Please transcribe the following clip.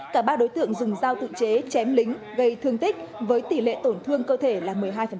cả ba đối tượng dùng dao tự chế chém lính gây thương tích với tỷ lệ tổn thương cơ thể là một mươi hai